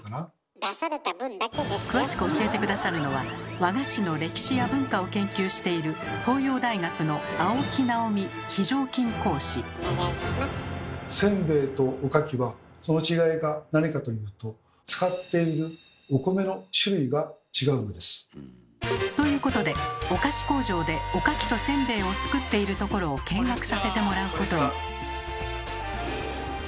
詳しく教えて下さるのは和菓子の歴史や文化を研究しているせんべいとおかきはその違いが何かというと使っているということでお菓子工場でおかきとせんべいを作っているところを見学させてもらうことに。